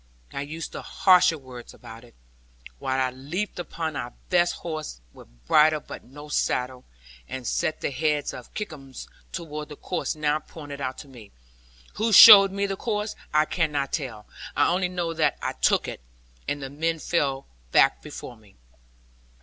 I use no harsher word about it, while I leaped upon our best horse, with bridle but no saddle, and set the head of Kickums towards the course now pointed out to me. Who showed me the course, I cannot tell. I only know that I took it. And the men fell back before me.